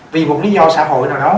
vì một lý do xã hội nào đó